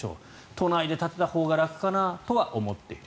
都内で建てたほうが楽かなとは思っている。